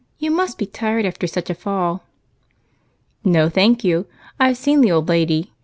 You must be tired after such a fall." "No, thank you. I've seen the old lady.